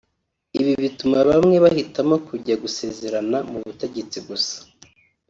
Ibi bituma bamwe bahitamo kujya gusezerana mu butegetsi gusa